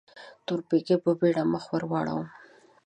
تورپيکۍ په بيړه مخ ور واړاوه.